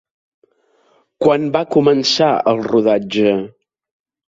Quan va començar el rodatge?